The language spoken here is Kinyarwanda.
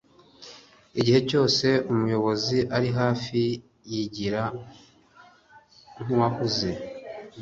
igihe cyose umuyobozi ari hafi, yigira nkuwahuze